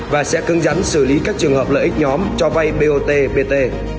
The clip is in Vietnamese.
và sẽ cân dắn xử lý các trường hợp lợi ích nhóm cho vay bot pt